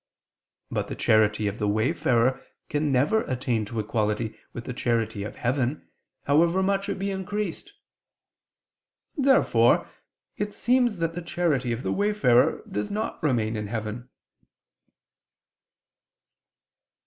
But the charity of the wayfarer can never attain to equality with the charity of heaven, however much it be increased. Therefore it seems that the charity of the wayfarer does not remain in heaven.